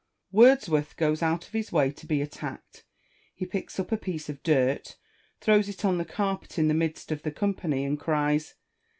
Porson. Wordsworth goes out of his way to be attacked ; he picks up a piece of dirt, throws it on the carpet in the midst of the company, and cries.